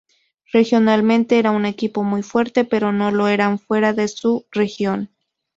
Regionalmente eran un equipo muy fuerte, pero no lo eran fuera de su región.